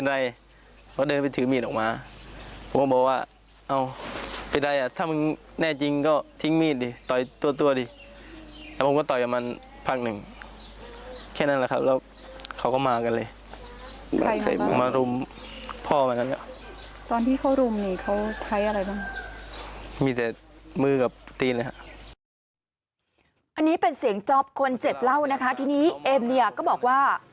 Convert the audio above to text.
อันนี้เป็นเสียงจ๊อปคนเจ็บเล่านะคะทีนี้เอ็มเนี่ยก็บอกว่า